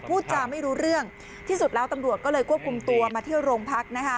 พูดจาไม่รู้เรื่องที่สุดแล้วตำรวจก็เลยควบคุมตัวมาเที่ยวโรงพักนะคะ